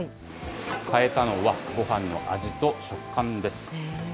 変えたのは、ごはんの味と食感です。